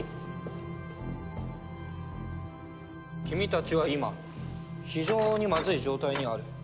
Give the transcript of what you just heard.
君たちは今非常にまずい状態にある。